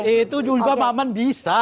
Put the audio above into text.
itu juga maman bisa